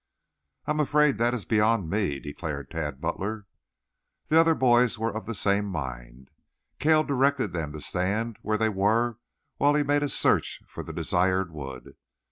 "I am afraid that is beyond me," declared Tad Butler. The other boys were of the same mind. Cale directed them to stand where they were while he made a search for the desired wood.